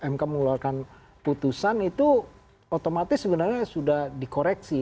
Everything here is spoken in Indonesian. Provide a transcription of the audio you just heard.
mk mengeluarkan putusan itu otomatis sebenarnya sudah dikoreksi